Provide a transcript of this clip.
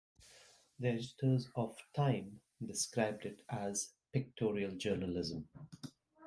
The editors of "Time" described it as "pictorial journalism".